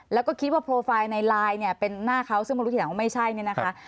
แล้วก็คิดว่าโปรไฟล์ในไลน์เนี่ยเป็นหน้าเขาซึ่งมารู้ทีหลังว่าไม่ใช่เนี่ยนะคะ